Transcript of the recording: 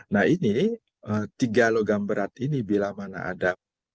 nah ini tiga logam berat ini bila mana ada